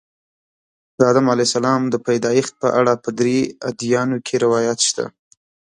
د آدم علیه السلام د پیدایښت په اړه په درې ادیانو کې روایات شته.